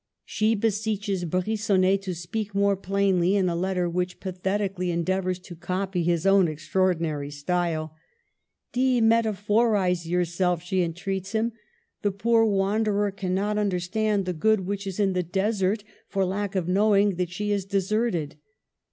She beseeches Brigonnet to speak more plainly in a letter which pathetically endeavors to copy his own extraor • dinary style. *' Demetaphorize yourself," she entreats him. '' The poor wanderer cannot un derstand the good which is in the desert, for lack of knowing that she is deserted.